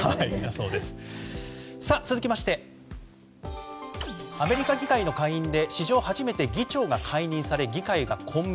続きましてアメリカ議会の下院で史上初めて議長が解任され議会が混迷。